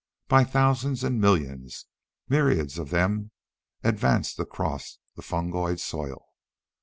By thousands and millions, myriads of them advanced across the fungoid soil.